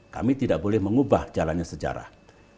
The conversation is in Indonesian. kami tidak boleh mengubah jalannya sejarah